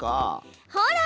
ほら！